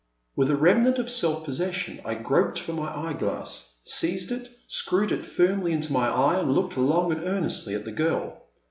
With a remnant of self possession I groped for my eye glass, seized it, screwed it firmly into my eye, and looked long and earnestly at the girl.